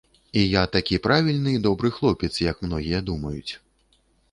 І я такі правільны і добры хлопец, як многія думаюць.